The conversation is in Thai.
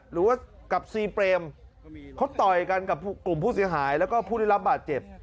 หรือว่ากับซีเปรมเขาต่อยกันกับกลุ่มผู้เสียหายแล้วก็ผู้ได้รับบาดเจ็บ